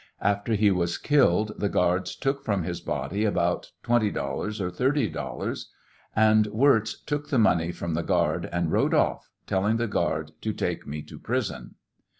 After he was killed, tike guards took from his budy about $20 or $30 dollars, and Wirz took the money from the guard and rode off, telling the guard to take me to prison.